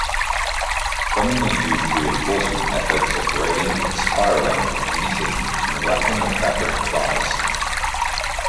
Commonly used reinforcement methods are braiding, spiraling, knitting and wrapping of fabric plies.